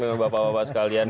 dengan bapak bapak sekalian